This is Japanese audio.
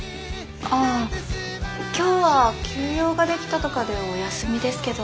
ああ今日は急用ができたとかでお休みですけど。